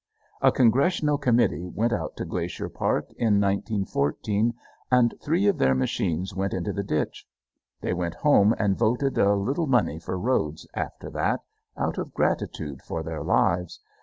A congressional committee went out to Glacier Park in 1914 and three of their machines went into the ditch. They went home and voted a little money for roads after that, out of gratitude for their lives.